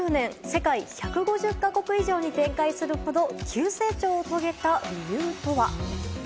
世界１５０か国以上に展開するほど急成長を遂げた理由とは。